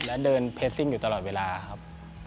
และเดินเพสซิ่งอยู่ตลอดเวลาครับ